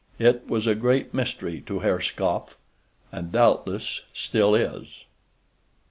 It was a great mystery to Herr Skopf—and, doubtless, still is. V.